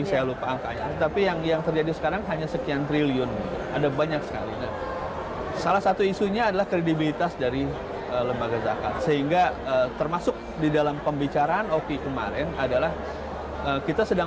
sering way ditangkap di beberapa panggilan